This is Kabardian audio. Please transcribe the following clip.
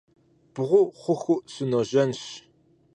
Бгъу хъуху сыножьэнщ.